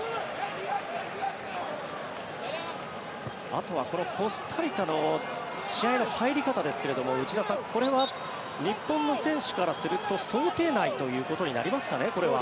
あとは、このコスタリカの試合の入り方ですけれども内田さんこれは日本の選手からすると想定内ということになりますかねこれは。